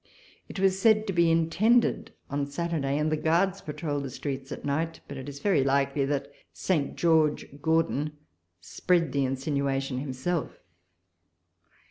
It was said to be intended on Saturday, and the Guards patrolled the streets at night ; but it is very likely that Saint George Gordon spread the insinuation himself.